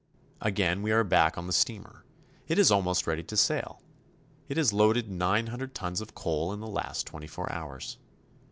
Again we are back on the steamer. It is almost ready to sail. It has loaded nine hundred tons of coal in the last twenty four hours.